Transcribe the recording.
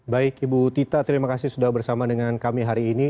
baik ibu tita terima kasih sudah bersama dengan kami hari ini